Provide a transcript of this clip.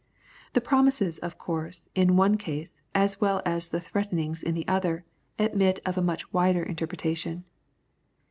The promises, of course, in one case, as well as the threaten ings in the other, admit of a much wider interpretation.